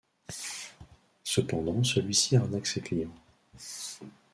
Cependant celui-ci arnaque ses clients.